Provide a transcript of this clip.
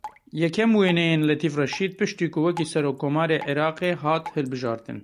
Yekem wêneyên Letîf Reşîd piştî ku wekî Serokkomarê Iraqê hat hilbijartin.